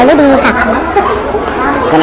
น้องน้องได้อยู่ทั้งส่วน